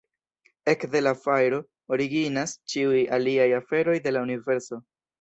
Ekde la "fajro" originas ĉiuj aliaj aferoj de la universo.